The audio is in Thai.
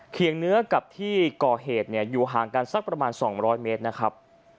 เนื้อกับที่ก่อเหตุอยู่ห่างกันสักประมาณ๒๐๐เมตรนะครับ